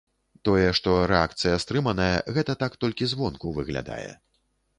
Тое, што рэакцыя стрыманая, гэта так толькі звонку выглядае.